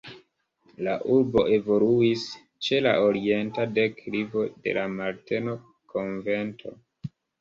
La urbo evoluis ĉe la orienta deklivo de la Marteno-konvento.